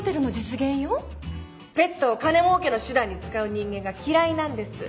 ペットを金儲けの手段に使う人間が嫌いなんです。